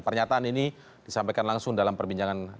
pernyataan ini disampaikan langsung dalam perbincangan